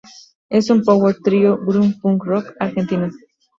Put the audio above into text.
Es un Power Trío, Grunge, Punk rock Argentino.